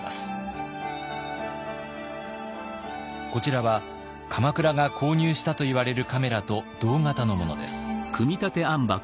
こちらは鎌倉が購入したといわれるカメラと同型のものです。